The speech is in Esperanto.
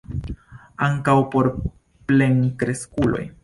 Ankaŭ por plenkreskuloj!